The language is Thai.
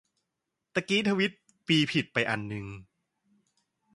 ตะกี้ทวีตปีผิดไปหนึ่งอัน